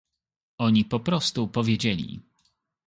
Oni po prostu powiedzieli